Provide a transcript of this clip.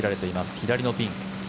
左のピン。